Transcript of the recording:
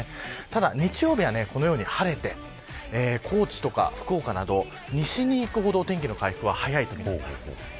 ただ日曜日はこのように晴れて高知や福岡など西に行くほど天気の回復は早いと思います。